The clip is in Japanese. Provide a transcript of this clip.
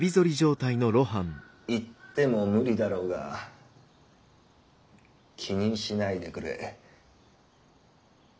言っても無理だろうが気にしないでくれ。